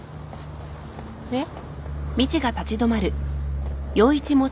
えっ？